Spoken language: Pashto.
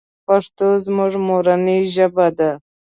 پښتو زموږ مورنۍ ژبه ده .